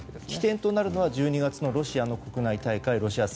起点となるのは１２月のロシアの国内大会。